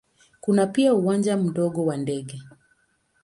Kuna pia uwanja mdogo wa ndege.